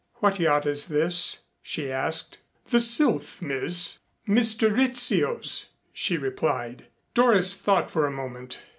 "What yacht is this?" she asked. "The Sylph, miss Mr. Rizzio's," she replied. Doris thought for a moment.